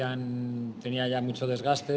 karena septian sudah banyak bergantung